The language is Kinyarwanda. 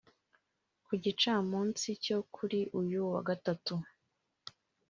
ku gicamunsi cyo kuri uyu wa Gatatu